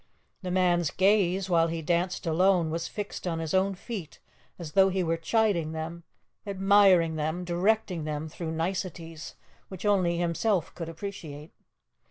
The man's gaze, while he danced alone, was fixed on his own feet as though he were chiding them, admiring them, directing them through niceties which only himself could appreciate.